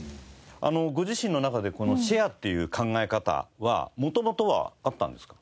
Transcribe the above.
ご自身の中でこのシェアっていう考え方は元々はあったんですか？